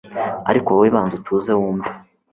ariko wowe banza utuze wumve